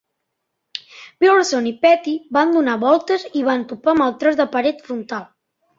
Pearson i Petty van donar voltes i van topar amb el tros de paret frontal.